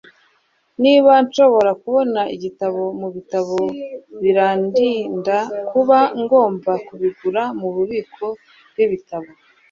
Niba nshobora kubona igitabo mubitabo birandinda kuba ngomba kubigura mububiko bwibitabo